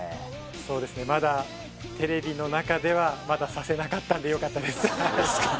そうですねまだテレビの中ではまださせなかったんでよかったです